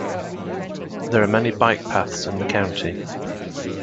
There are many bike paths in the county.